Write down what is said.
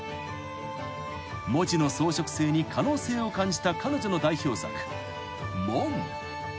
［文字の装飾性に可能性を感じた彼女の代表作文］